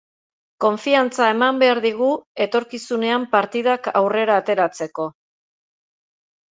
Konfiantza eman behar digu etorkizuenan partidak aurrera ateratzeko.